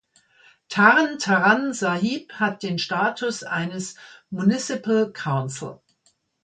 Tarn Taran Sahib hat den Status eines Municipal Council.